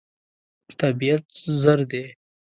طبیعت زر دی.